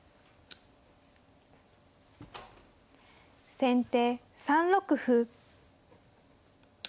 先手３六歩。